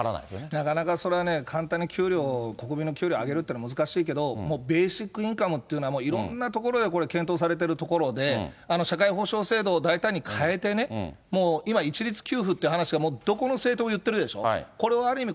なかなかそれ、簡単に給料、国民の給料を上げるというのは難しいけど、もう、ベーシックインカムというのはもういろんなところでこれ、検討されてるところで、社会保障制度を大胆に変えてね、もう今、一律給付っていう話が、どこの政党も言ってるでしょ、これをある意味